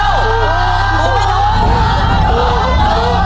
ลูกให้ลูก